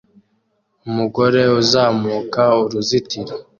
Umugore uzamuka uruzitiro